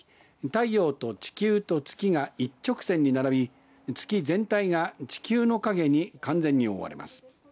太陽と地球と月が一直線に並び月全体が地球の影に完全に覆われます。